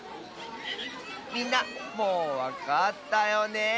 みんなもうわかったよね！